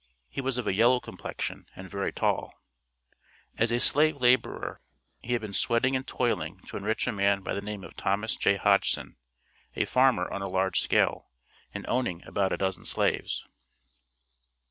He was of a yellow complexion, and very tall. As a slave laborer he had been sweating and toiling to enrich a man by the name of Thomas J. Hodgson, a farmer on a large scale, and owning about a dozen slaves.